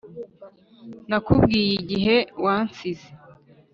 nakubwiye igihe wansize